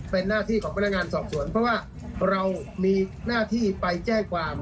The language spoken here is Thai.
เป็นหน้าที่ของพนักงานสอบสวนเพราะว่าเรามีหน้าที่ไปแจ้งความ